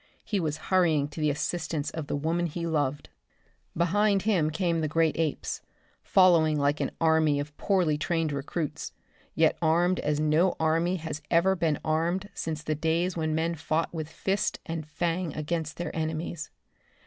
He was hurrying to the assistance of the woman he loved. Behind him came the great apes, following like an army of poorly trained recruits, yet armed as no army has ever been armed since the days when men fought with fist and fang against their enemies.